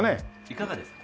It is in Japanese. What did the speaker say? いかがですか？